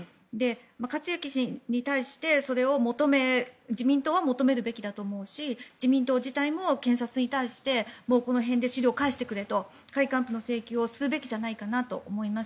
克行氏に対して自民党はそれを求めるべきだと思うし自民党自体も検察に対してもうこの辺で資料を返してくれと仮還付の請求をするべきじゃないかなと思います。